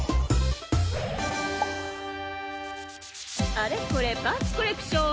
あれこれパンツコレクション！